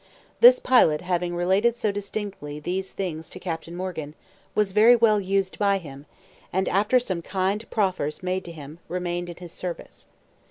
This pilot having related so distinctly these things to Captain Morgan, was very well used by him, and, after some kind proffers made to him, remained in his service.